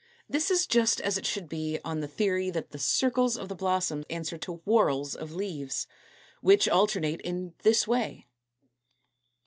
This is just as it should be on the theory that the circles of the blossom answer to whorls of leaves, which alternate in this way.